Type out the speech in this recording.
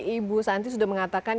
ibu santi sudah mengatakan